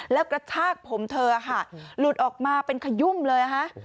แล้วกระชากผมเธอค่ะหลุดออกมาเป็นขยุ่มเลยค่ะ